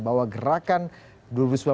bahwa gerakan dua ribu sembilan belas ganti presiden